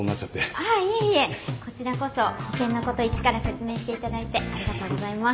ああいえいえこちらこそ保険のこと一から説明していただいてありがとうございます。